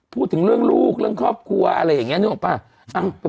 พูดถึงเรื่องลูกเรื่องครอบครัวอะไรอย่างนี้นึกออกป่ะ